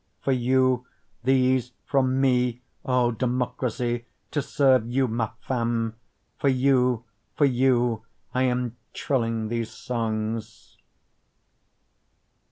For you these from me, O Democracy, to serve you ma femme! For you, for you I am trilling these songs.